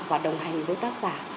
và đồng hành với tác giả